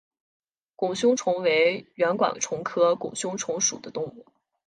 拱胸虫为圆管虫科拱胸虫属的动物。